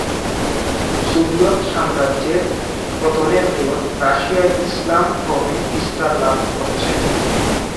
Soviet সাম্রাজ্যের পতনের পর রাশিয়ায় ইসলাম ক্রমে বিস্তার লাভ করছে।